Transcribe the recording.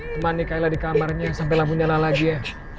temani kayla di kamarnya sampai lampu nyala lagi ya